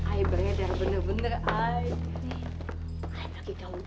aduh pak tapi iya gak enak sama raka lho